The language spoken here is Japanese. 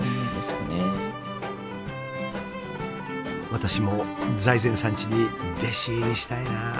私も財前さんちに弟子入りしたいなあ。